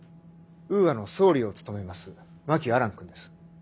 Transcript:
ウーアの総理を務めます真木亜蘭君です。